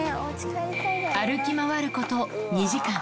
歩き回ること２時間。